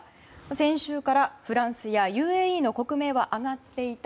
先週からフランスやＵＡＥの国名は挙がっていた。